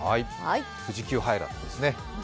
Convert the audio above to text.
富士急ハイランドですね。